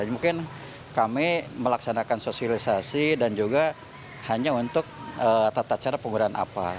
mungkin kami melaksanakan sosialisasi dan juga hanya untuk tata cara penggunaan apa